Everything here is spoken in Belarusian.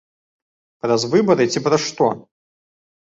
Праз выбары ці праз што?